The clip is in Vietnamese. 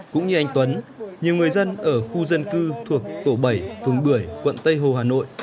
cũng như anh tuấn nhiều người dân ở khu dân cư thuộc tổ bảy phường bưởi quận tây hồ hà nội